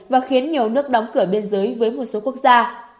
và khiến nhiều nước đóng cửa biên giới với một số quốc gia